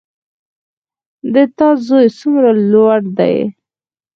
د تا زوی څومره لوړ ده